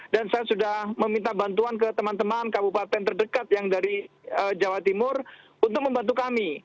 dan saya sudah meminta bantuan ke teman teman kabupaten terdekat yang dari jawa timur untuk membantu kami